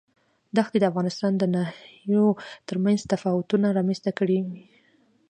دښتې د افغانستان د ناحیو ترمنځ تفاوتونه رامنځ ته کوي.